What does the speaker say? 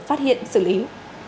phát hiện xử lý